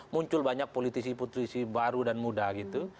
muncul banyak politisi politisi baru dan muda gitu